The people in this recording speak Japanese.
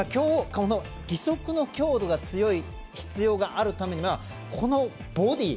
義足の強度が強い必要があるためにはこのボディー。